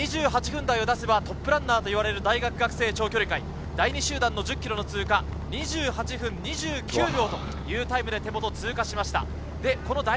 ２８分台を出せばトップランナーといわれる学生長距離界、第２集団１０ｋｍの通過２８分２９秒というタイムです。